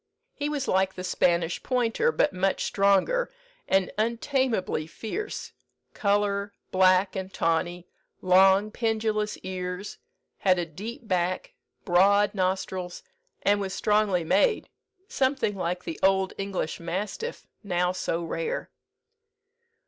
He was like the Spanish pointer, but much stronger, and untameably fierce, colour, black and tawny, long pendulous ears, had a deep back, broad nostrils, and was strongly made, something like the old English mastiff, now so rare."